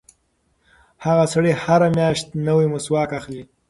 هغه سړی هره میاشت نوی مسواک اخلي.